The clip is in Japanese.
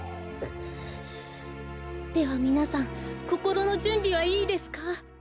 ではみなさんこころのじゅんびはいいですか？